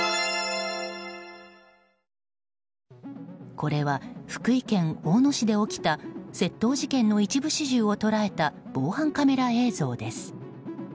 これは福井県大野市で起きた窃盗事件の一部始終を捉えた防犯カメラ映像です。